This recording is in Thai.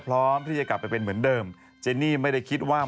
ลาไปก่อนนะครับ